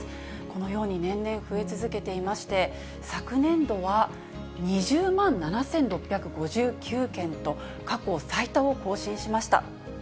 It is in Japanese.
このように年々増え続けていまして、昨年度は２０万７６５９件と、過去最多を更新しました。